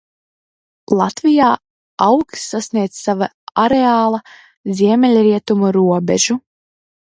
Latvijā augs sasniedz sava areāla ziemeļrietumu robežu.